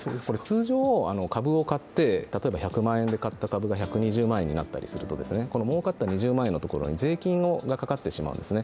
通常１００万円で買った株が１２０万円になると儲かった２０万円のところに税金がかかってしまうんですね。